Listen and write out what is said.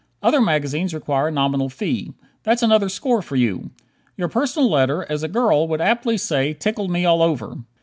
Other magazines require a nominal fee. That's another score for you! Your personal letter, as a girl would aptly say, "tickled me all over."